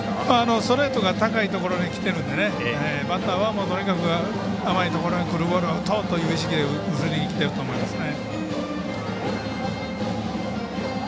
ストレートが高いところにきてるのでバッターはとにかく甘いところにくるボールを打とうという意識で振ってると思いますね。